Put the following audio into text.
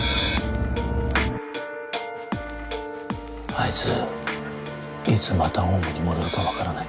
あいついつまたオウムに戻るか分からない。